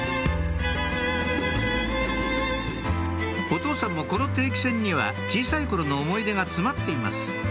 お父さんもこの定期船には小さい頃の思い出が詰まっています